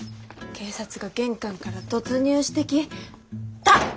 警察が玄関から突入してきた！